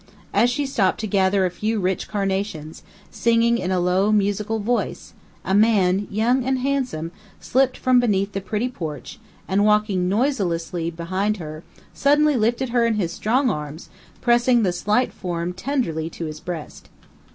As she stopped to gather a few rich carnations, singing in a low, musical voice, a man, young and handsome, slipped from beneath the pretty porch, and walking noiselessly behind her, suddenly lifted her in his strong arms, pressing the slight form tenderly to his breast.